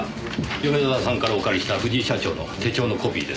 米沢さんからお借りした藤井社長の手帳のコピーです。